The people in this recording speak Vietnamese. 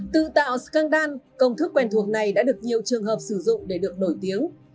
tự tạo scandan công thức quen thuộc này đã được nhiều trường hợp sử dụng để được nổi tiếng